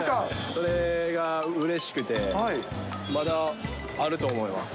それがうれしくて、まだあると思います。